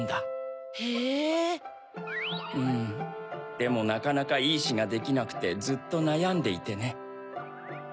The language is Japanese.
でもなかなかいいしができなくてずっとなやんでいてね。